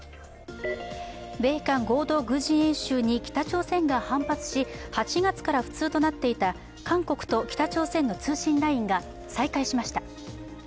米韓合同軍事演習に北朝鮮が反発し８月から不通となっていた韓国の北朝鮮の通信ラインが再開しました。